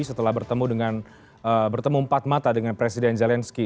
setelah bertemu empat mata dengan presiden zelensky